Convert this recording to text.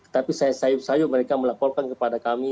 tapi saya sayur sayur mereka melaporkan kepada kami